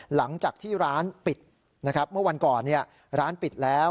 หลังจากที่ร้านปิดนะครับเมื่อวันก่อนร้านปิดแล้ว